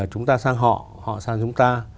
chúng ta sang họ họ sang chúng ta